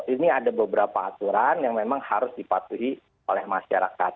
ini ada beberapa aturan yang memang harus dipatuhi oleh masyarakat